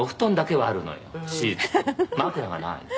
「枕がないの」